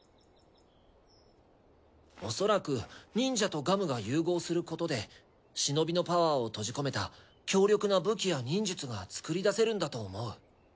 おそらく忍者とガムが融合することでシノビのパワーを閉じ込めた強力な武器や忍術が作りだせるんだと思う。